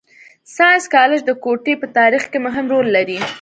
ساینس کالج د کوټي په تارېخ کښي مهم رول لري.